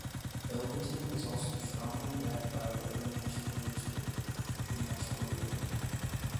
Ellington was also strongly backed by the other Nashville newspaper, the "Nashville Banner".